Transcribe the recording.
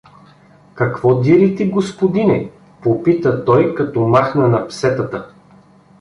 — Какво дирите, господине? — попита той, като махна на псетата.